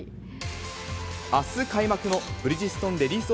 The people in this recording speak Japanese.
あす開幕のブリヂストンレディス